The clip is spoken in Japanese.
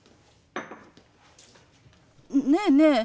ねえねえ